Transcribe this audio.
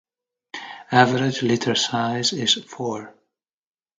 Average litter size is four.